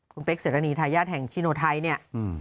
คุณเป๊กเสร็จแล้วนี้ทายาทแห่งชิโนไทยนี่